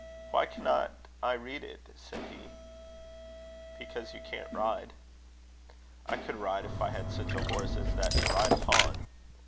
"Why cannot I read it?" said he. "Because you can't ride." "I could ride, if I had such a horse as that to ride upon."